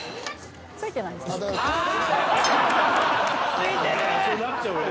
付いてる！